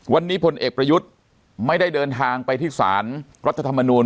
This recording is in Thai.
วันนี้พลเอกประยุทธ์ไม่ได้เดินทางไปที่สารรัฐธรรมนูล